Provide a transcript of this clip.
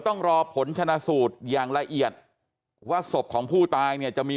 ต้องรอผลชนะสูตรอย่างละเอียดว่าศพของผู้ตายเนี่ยจะมี